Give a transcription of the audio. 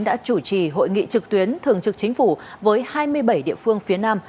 đã chủ trì hội nghị trực tuyến thường trực chính phủ với hai mươi bảy địa phương phía nam